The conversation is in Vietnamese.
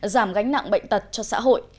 giảm gánh nặng bệnh tật cho xã hội